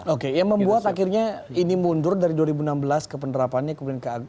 oke yang membuat akhirnya ini mundur dari dua ribu enam belas ke penerapannya ke dua ribu delapan belas